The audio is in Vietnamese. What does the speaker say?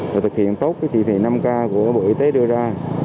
và thực hiện tốt cái thị thị năm k của bộ y tế đưa ra